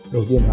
đầu tiên là